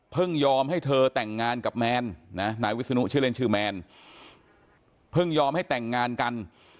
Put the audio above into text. ยอมให้เธอแต่งงานกับแมนนะนายวิศนุชื่อเล่นชื่อแมนเพิ่งยอมให้แต่งงานกัน